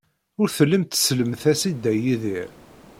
Ur tellimt tsellemt-as i Dda Yidir.